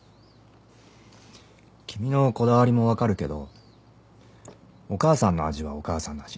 君のこだわりもわかるけどお母さんの味はお母さんの味